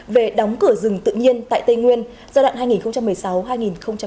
về đóng cửa rừng tự nhiên tại tây nguyên giai đoạn hai nghìn một mươi sáu hai nghìn hai mươi